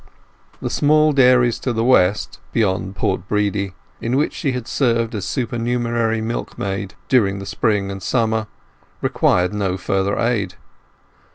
The small dairies to the west, beyond Port Bredy, in which she had served as supernumerary milkmaid during the spring and summer required no further aid.